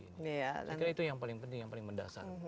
saya kira itu yang paling penting yang paling mendasar